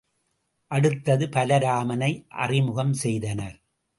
அடுத்தது பலராமனை அறிமுகம் செய்தனர்.